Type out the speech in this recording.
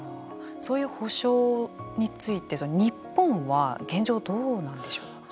そういう保証について日本は、現状どうなんでしょう。